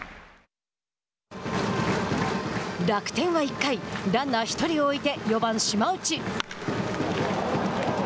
楽天は１回ランナー１人を置いて４番島内。